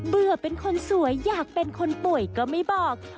เบื่อเป็นคนสวยอยากเป็นคนป่วยก็ไม่บอก